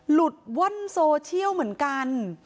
หลุดว่อนโซเชียลเหมือนกัน